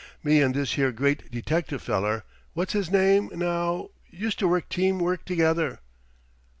Me and this here great detective feller what's his name, now? used to work team work together."